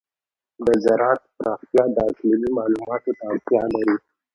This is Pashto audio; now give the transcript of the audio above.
د زراعت پراختیا د اقلیمي معلوماتو ته اړتیا لري.